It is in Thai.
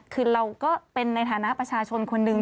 คือเราก็เป็นในฐานะประชาชนคนหนึ่ง